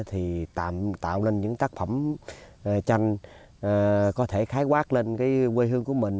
thì tạo lên những tác phẩm tranh có thể khái quát lên cái quê hương của mình